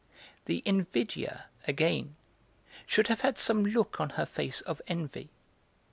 The 'Invidia,' again, should have had some look on her face of envy.